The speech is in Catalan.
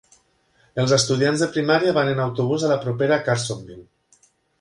Els estudiants de primària van en autobús a la propera Carsonville.